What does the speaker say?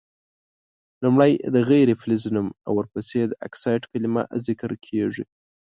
لومړی د غیر فلز نوم او ورپسي د اکسایډ کلمه ذکر کیږي.